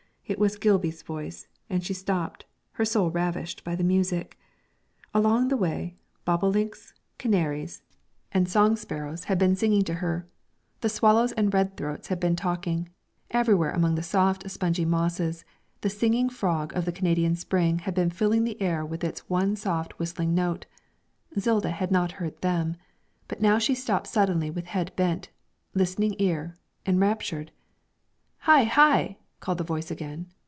It was Gilby's voice, and she stopped, her soul ravished by the music. All the way along, bobolinks, canaries, and song sparrows had been singing to her, the swallows and red throats had been talking; everywhere among the soft spongy mosses, the singing frog of the Canadian spring had been filling the air with its one soft whistling note. Zilda had not heard them, but now she stopped suddenly with head bent, listening eager, enraptured. 'Hi! hi!' called the voice again.